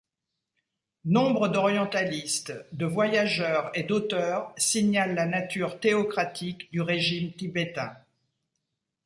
Nombre d'orientalistes, de voyageurs et d'auteurs signalent la nature théocratique du régime tibétain.